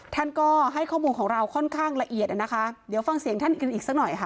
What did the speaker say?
ท่านก็ให้ข้อมูลของเราค่อนข้างละเอียดนะคะเดี๋ยวฟังเสียงท่านกันอีกสักหน่อยค่ะ